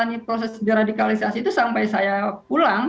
saya melalui proses deradikalisasi itu sampai saya pulang